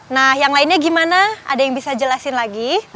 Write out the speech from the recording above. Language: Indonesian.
nah yang lainnya gimana ada yang bisa jelasin lagi